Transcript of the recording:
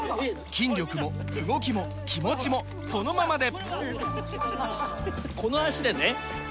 筋力も動きも気持ちもこのままで！